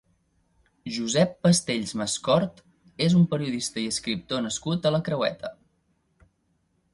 Josep Pastells Mascort és un periodista i escriptor nascut a la Creueta.